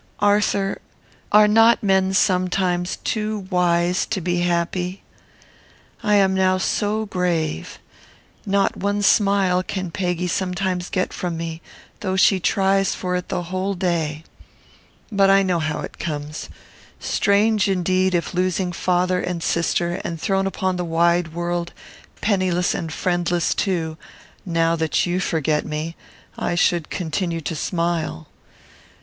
Arthur, are not men sometimes too wise to be happy? I am now so grave. Not one smile can Peggy sometimes get from me, though she tries for it the whole day. But I know how it comes. Strange, indeed, if, losing father and sister, and thrown upon the wide world, penniless and friendless too, now that you forget me, I should continue to smile.